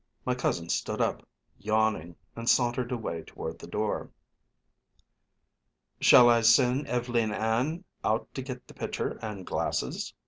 My cousin stood up, yawning, and sauntered away toward the door. "Shall I send Ev'leen Ann out to get the pitcher and glasses?"